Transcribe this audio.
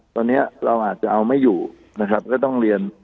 ตอนนี้เราอาจจะเอาไม่อยู่นะครับก็ต้องเรียน